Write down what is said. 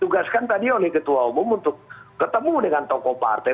tugaskan tadi oleh ketua umum untuk ketemu dengan tokoh partai